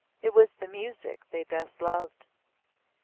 It was the music they best loved."